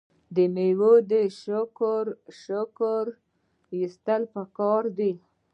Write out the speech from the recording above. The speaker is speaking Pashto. د میوو شکر ایستل پکار دي.